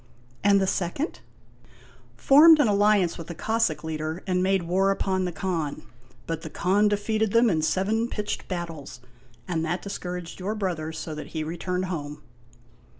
" And the second ?" THE WINNING OF VANELLA 113 " Formed an alliance with a Cossack leader, and made war upon the Khan. But the Khan defeated them in seven pitched battles, and that discouraged your brother so that he returned home."